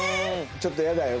ちょっとイヤだよ